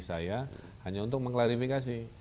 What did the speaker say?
saya hanya untuk mengklarifikasi